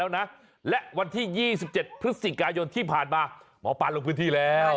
นะและวันที่๒๗พฤศจิกายนที่ผ่านมาหมอปลาลงพื้นที่แล้ว